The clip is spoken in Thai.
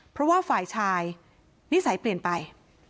เพราะว่าฝ่ายชายนิสัยเปลี่ยนไป